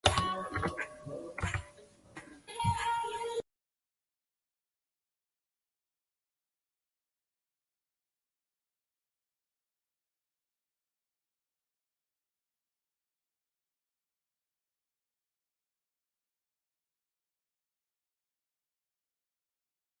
下关东似美花介为似美花介科似美花介属下的一个种。